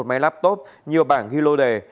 một máy laptop nhiều bảng ghi lô đề